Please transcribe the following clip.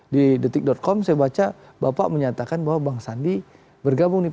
di detik com saya baca bapak menyatakan bahwa bang sandi bergabung di p tiga